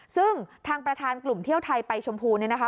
ซึ่งทางประธานกลุ่มเที่ยวไทยไปชมพูเนี่ยนะคะ